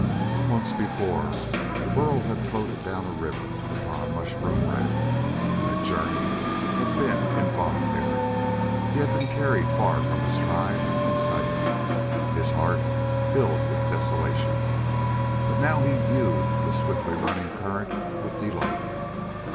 Once before, Burl had floated down a river upon a mushroom raft. That journey had been involuntary. He had been carried far from his tribe and Saya, his heart filled with desolation. But now he viewed the swiftly running current with delight.